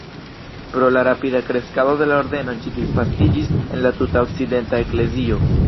Pro la rapida kreskado de la ordeno ĝi disvastiĝis en la tuta okcidenta eklezio.